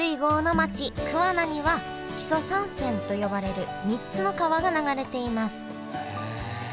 桑名には木曽三川と呼ばれる３つの川が流れています。